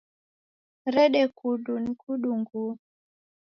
Rede kudu nikudungue